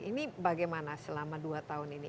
ini bagaimana selama dua tahun ini